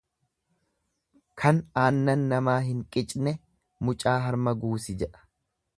Kan aannan namaa hin qicne mucaa harma guusi jedha.